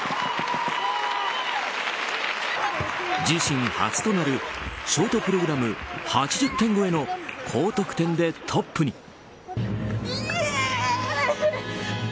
自身初となるショートプログラム８０点超えの高得点で、トップに。